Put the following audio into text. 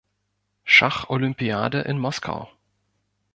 Schacholympiade in Moskau.